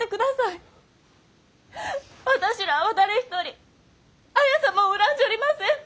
私らあは誰一人綾様を恨んじょりません！